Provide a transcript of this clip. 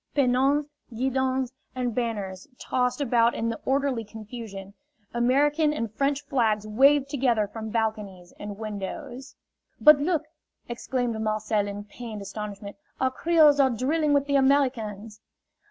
Pennons, guidons and banners tossed about in the orderly confusion; American and French flags waved together from balconies and windows. "But, look!" exclaimed Marcel in pained astonishment, "our Creoles are drilling with the Americans!"